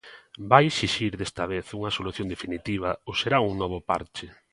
¿Vai exixir desta vez unha solución definitiva ou será un novo parche?